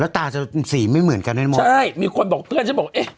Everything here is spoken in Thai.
ตาจะสีไม่เหมือนกันให้หมดใช่มีคนบอกเพื่อนฉันบอกเอ๊ะ